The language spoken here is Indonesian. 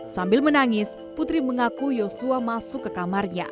sambil menangis putri mengaku yosua masuk ke kamarnya